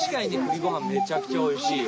めちゃくちゃおいしい。